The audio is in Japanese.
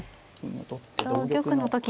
同玉の時に。